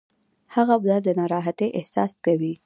هغه به د ناراحتۍ احساس کوي.